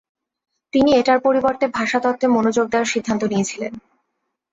তিনি এটার পরিবর্তে ভাষাতত্ত্বে মনোযোগ দেওয়ার সিদ্ধান্ত নিয়েছিলেন।